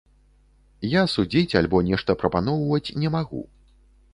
Я судзіць альбо нешта прапаноўваць не магу.